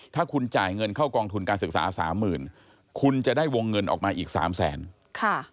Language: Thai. ถ้าคุณจ่ายเงินเข้ากองทุนการศึกษาสามหมื่นคุณจะได้วงเงินออกมาอีกสามแสนค่ะ